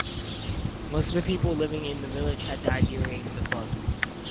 Most of the people living in the village had died during the floods.